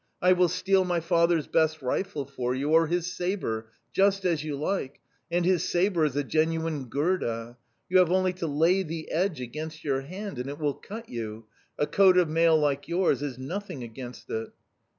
I will steal my father's best rifle for you, or his sabre just as you like and his sabre is a genuine Gurda; you have only to lay the edge against your hand, and it will cut you; a coat of mail like yours is nothing against it.